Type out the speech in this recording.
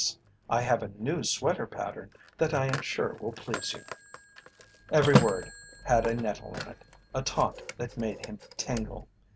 I have a new sweater pattern that I am sure will please you. Every word had a nettle in it, a taunt that made him tingle.